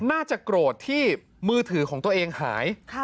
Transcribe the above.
น่าจะโกรธที่มือถือของตัวเองหาย